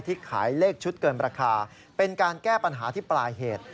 ที่ขายเลขชุดเกินราคาเป็นการแก้ปัญหาที่ปลายเหตุ